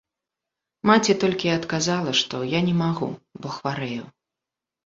Маці толькі і адказала, што я не магу, бо хварэю.